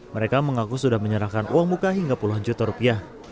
mereka mengaku sudah menyerahkan uang muka hingga puluhan juta rupiah